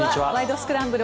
スクランブル」